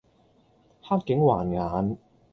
黑警還眼